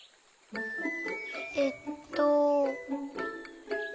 えっと。